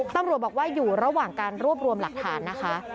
ตำรวจบอกว่าอยู่ระหว่างการรวบรวมหลักฐานนะคะ